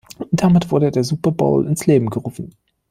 Damit wurde der Super Bowl ins Leben gerufen.